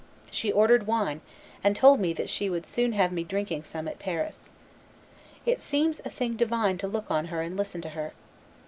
She ordered wine, and told me that she would soon have me drinking some at Paris. It seems a thing divine to look on her and listen to her.